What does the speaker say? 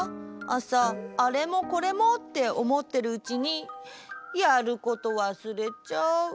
あさあれもこれもっておもってるうちにやること忘れちゃう。